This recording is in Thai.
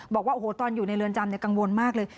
บอกว่าโอ้โหตอนอยู่ในเรือนจำกังวลมากเลย